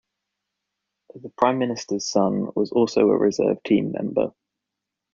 The Prime Minister's son was also a reserve team member.